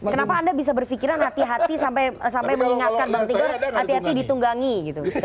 kenapa anda bisa berpikiran hati hati sampai mengingatkan bang tigor hati hati ditunggangi gitu